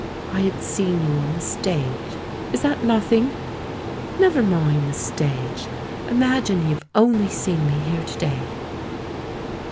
"I had seen you on the stage; is that nothing?" "Never mind the stage. Imagine you've only seen me here to day."